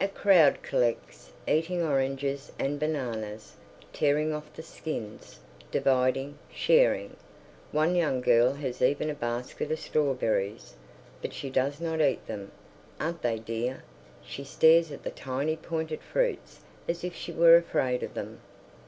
A crowd collects, eating oranges and bananas, tearing off the skins, dividing, sharing. One young girl has even a basket of strawberries, but she does not eat them. "Aren't they dear!" She stares at the tiny pointed fruits as if she were afraid of them.